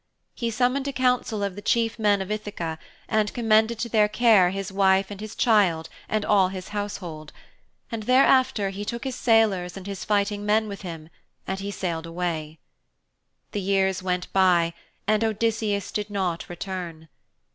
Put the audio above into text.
He summoned a council of the chief men of Ithaka and commended to their care his wife and his child and all his household, and thereafter he took his sailors and his fighting men with him and he sailed away. The years went by and Odysseus did not return.